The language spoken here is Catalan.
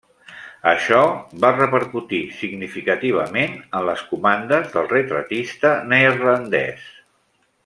Això va repercutir significativament en les comandes del retratista neerlandès.